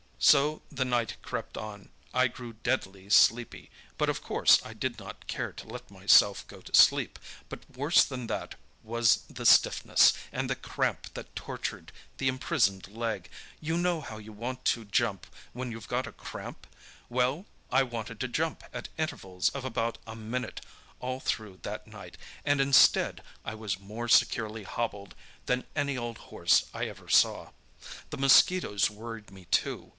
"So the night crept on. I grew deadly sleepy, but of course I did not care to let myself go to sleep; but worse than that was the stiffness, and the cramp that tortured the imprisoned leg. You know how you want to jump when you've got cramp? Well, I wanted to jump at intervals of about a minute all through that night, and instead, I was more securely hobbled than any old horse I ever saw. The mosquitoes worried me too.